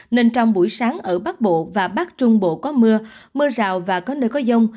nên trong buổi sáng ở bắc bộ và bắc trung bộ có mưa mưa rào và có nơi có dông